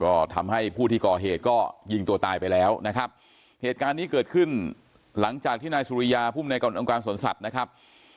ก็ทำให้ผู้ที่ก่อเหตุก็ยิงตัวตายไปแล้วนะครับเหตุการณ์นี้เกิดขึ้นหลังจากที่นายสุริยาภูมิในการองค์การสวนสัตว์นะครับ